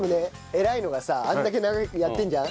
偉いのがさあれだけ長くやってるじゃん？